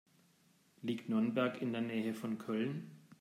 Liegt Nürnberg in der Nähe von Köln?